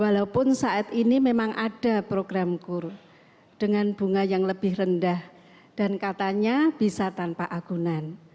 walaupun saat ini memang ada program kur dengan bunga yang lebih rendah dan katanya bisa tanpa agunan